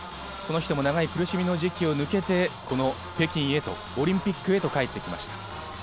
この人も長い苦しみの時期を抜けて、北京へと、オリンピックへと帰ってきました。